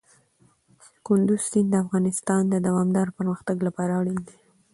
کندز سیند د افغانستان د دوامداره پرمختګ لپاره اړین دی.